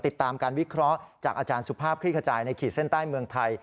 ติดตามการวิเคราะห์จากอาจารย์สุภาพคลี่ขจายในขีดเส้นใต้เมืองไทย